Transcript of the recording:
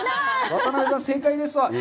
渡辺さん、正解です。